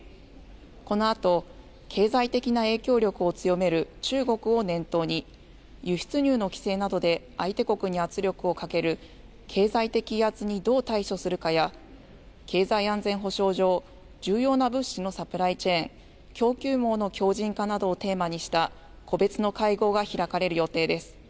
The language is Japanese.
このあと経済的な影響力を強める中国を念頭に輸出入の規制などで相手国に圧力をかける経済的威圧にどう対処するかや経済安全保障上、重要な物資のサプライチェーン・供給網の強じん化などをテーマにした個別の会合が開かれる予定です。